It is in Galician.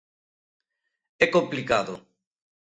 É complicado.